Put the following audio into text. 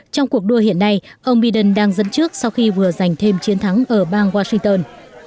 trong cuộc đua hiện nay ông biden đang dẫn trước sau khi vừa giành thêm chiến thắng ở bang washington